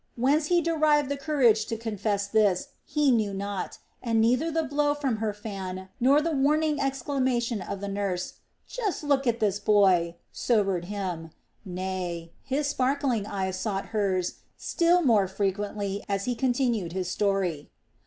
Whence he derived the courage to confess this, he knew not, and neither the blow from her fan, nor the warning exclamation of the nurse: "Just look at the boy!" sobered him. Nay, his sparkling eyes sought hers still mote frequently as he continued his story.